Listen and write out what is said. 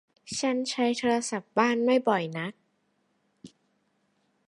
ฉันใช้โทรศัพท์บ้านไม่บ่อยนัก